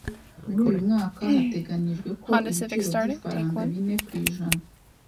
Muri uyu mwaka hateganijwe ko ibiciro by’ifaranga bine ku ijana.